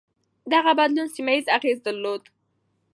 دغه بدلون سيمه ييز اغېز درلود.